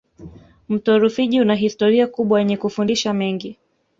mto rufiji una historia kubwa yenye kufundisha mengi